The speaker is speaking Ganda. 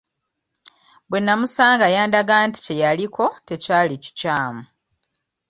Bwe nnamusanga yandaga nti kye yaliko tekyali kikyamu.